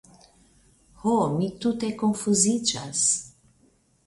ho, mi tute konfuziĝas!